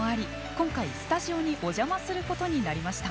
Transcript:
今回スタジオにおじゃますることになりました。